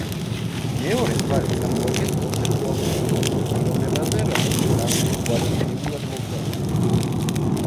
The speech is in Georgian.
მეორე მხარე წარმოადგენს კონცეპტუალურ ალბომს, პიროვნებაზე, რომელიც ღამით ზღვაში ეულად მოგზაურობს.